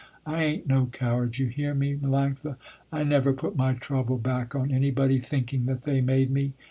I ain't no coward, you hear me, Melanctha? I never put my trouble back on anybody, thinking that they made me.